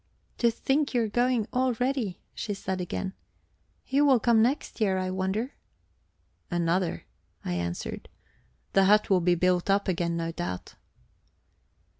"To think you are going already," she said again. "Who will come next year, I wonder?" "Another," I answered. "The hut will be built up again, no doubt."